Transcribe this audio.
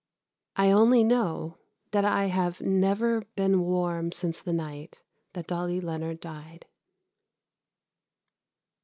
I only know that I have never been warm since the night that Dolly Leonard died.